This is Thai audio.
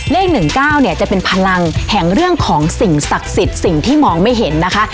๑๙เนี่ยจะเป็นพลังแห่งเรื่องของสิ่งศักดิ์สิทธิ์สิ่งที่มองไม่เห็นนะคะ